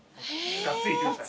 がっつりいってください。